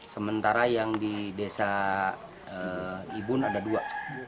sementara yang di desa ibun ada dua